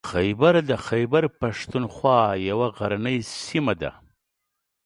خیبر د خیبر پښتونخوا یوه غرنۍ سیمه ده.